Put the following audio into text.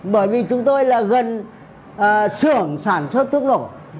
bởi vì chúng tôi là gần xưởng sản xuất thuốc nổ